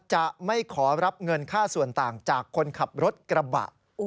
จะไม่ขอรับเงินค่าส่วนต่างจากคนขับรถกระบะ